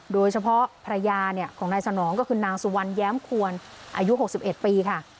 โดยเฉพาะภรรยาของนายสนองก็คือนางสุวรรณแย้มควรอายุ๖๑ปีค่ะ